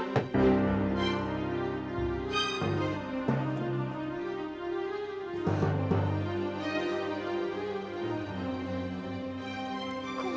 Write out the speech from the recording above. tika didi abdul